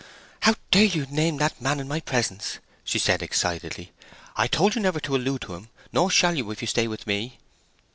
"How dare you name that man in my presence!" she said excitedly. "I told you never to allude to him, nor shall you if you stay with me.